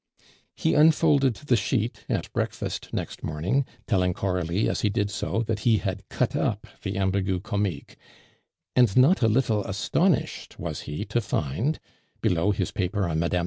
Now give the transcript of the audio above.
He unfolded the sheet at breakfast next morning, telling Coralie as he did so that he had cut up the Ambigu Comique; and not a little astonished was he to find below his paper on Mme.